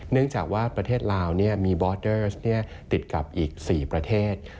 เนื่องจากว่าประเทศลาวมีบอสเดอร์สติดกับอีก๔ประเทศ